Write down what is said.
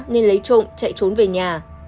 nên lấy trộm chạy trốn về nhà